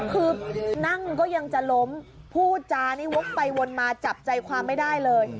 คือนั่งก็ยังจะล้มพูดจานี่วกไปวนมาจับใจความไม่ได้เลย